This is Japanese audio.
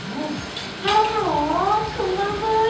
ハロハロこんばんブイ！